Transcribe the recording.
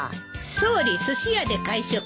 総理すし屋で会食。